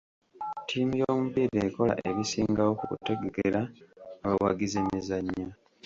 Ttiimu y'omupiira ekola ebisingawo ku kutegekera abawagizi emizannyo.